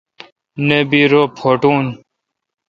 نہ بی رو پوٹون۔